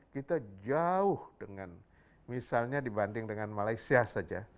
kita jauh dengan misalnya dibanding dengan malaysia saja